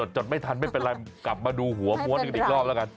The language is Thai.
จดไม่ทันไม่เป็นไรกลับมาดูหัวม้วนกันอีกรอบแล้วกัน